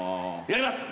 やります。